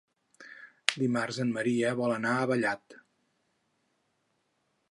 Dimarts en Maria vol anar a Vallat.